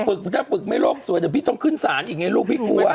ถ้าฝึกไม่โลกสวยเดี๋ยวพี่ต้องขึ้นศาลอีกไงลูกพี่กลัว